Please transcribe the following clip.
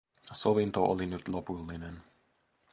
Sovinto oli nyt lopullinen.